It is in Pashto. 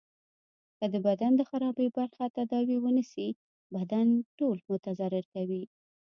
که د بدن د خرابي برخی تداوي ونه سي بدن ټول متضرر کوي.